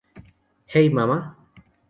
Hey, Mamma!